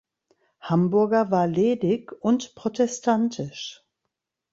Hamburger war ledig und protestantisch.